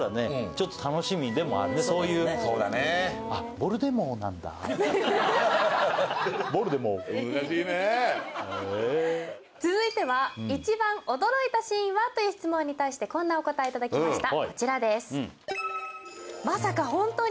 そういうそうだねヴォルデモー難しいね続いては１番驚いたシーンは？という質問に対してこんなお答えいただきましたこちらです